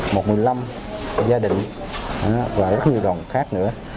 một người lâm gia đình và rất nhiều đoàn khác nữa